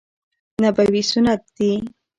نبوي سنت دي.